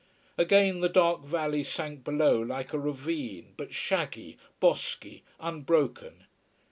Again the dark valley sank below like a ravine, but shaggy, bosky, unbroken.